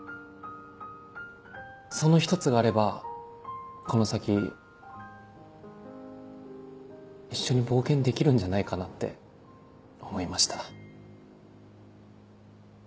その１つがあればこの先一緒に冒険できるんじゃないかなって思いました。